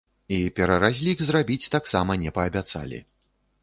І пераразлік зрабіць таксама не паабяцалі.